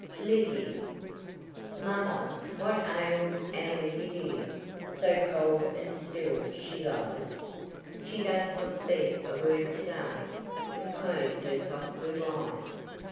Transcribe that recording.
LIZZIE. Mother, what ails our Lizzie dear, So cold and still she lies? She does not speak a word to day, And closed her soft blue eyes.